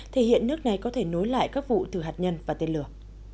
thể hiện nước này có thể nối lại các vụ thử hạt nhân và tên lửa